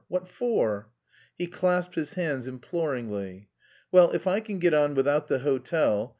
What for?" He clasped his hands imploringly.... "Well, if I can get on without the hotel...